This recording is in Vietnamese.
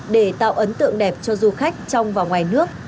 để tạo ấn tượng đẹp cho du khách trong và ngoài nước